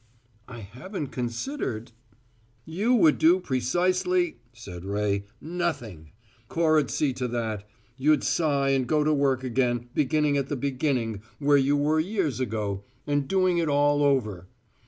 "I haven't considered " "You would do precisely," said Ray, "nothing! Cora'd see to that. You'd sigh and go to work again, beginning at the beginning where you were years ago, and doing it all over.